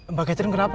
mbak catherine kenapa